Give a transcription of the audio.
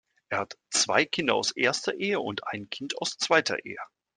Er hat zwei Kinder aus erster Ehe und ein Kind aus zweiter Ehe.